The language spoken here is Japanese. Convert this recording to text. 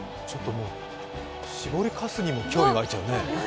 搾りかすにも興味沸いちゃうね。